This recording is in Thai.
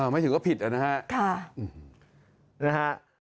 ไม่ถือก็ผิดเหรอนะฮะนะฮะค่ะ